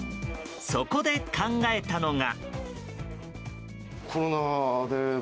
そこで、考えたのが。